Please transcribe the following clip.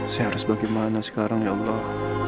saya harus bagaimana sekarang ya allah